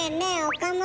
岡村。